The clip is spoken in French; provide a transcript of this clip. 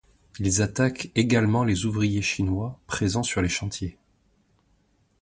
Ils attaquent également les ouvriers chinois présents sur les chantiers.